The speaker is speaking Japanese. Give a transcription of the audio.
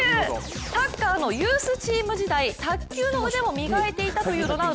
サッカーのユースチーム時代卓球の腕も磨いていたというロナウド。